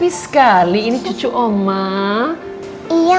hasil yang tak diselenggaranya